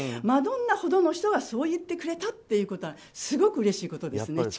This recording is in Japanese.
マドンナほどの人がそう言ってくれたということはすごくうれしいことですね。